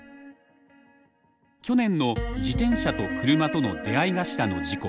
去年の自転車と車との出会い頭の事故。